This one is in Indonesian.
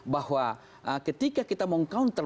bahwa ketika kita meng counter